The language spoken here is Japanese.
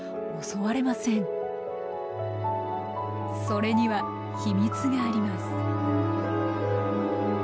それには秘密があります。